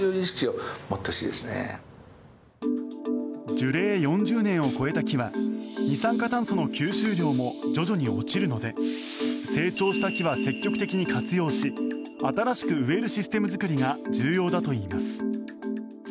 樹齢４０年を超えた木は二酸化炭素の吸収量も徐々に落ちるので成長した木は積極的に活用し新しく植えるシステム作りが重要だといいます。